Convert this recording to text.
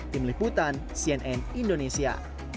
tim liputan cnn indonesia